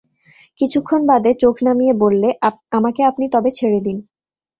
কিছুক্ষণ বাদে চোখ নামিয়ে বললে, আমাকে আপনি তবে ছেড়ে দিন।